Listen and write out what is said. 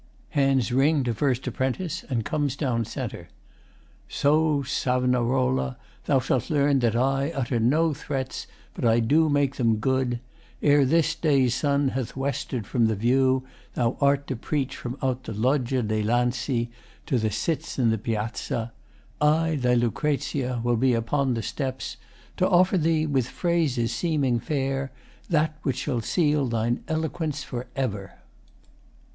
[Hands ring to FIRST APP. and comes down c.] So, Sav'narola, thou shalt learn that I Utter no threats but I do make them good. Ere this day's sun hath wester'd from the view Thou art to preach from out the Loggia Dei Lanzi to the cits in the Piazza. I, thy Lucrezia, will be upon the steps To offer thee with phrases seeming fair That which shall seal thine eloquence for ever.